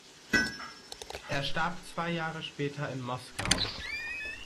Er starb zwei Jahre später in Moskau.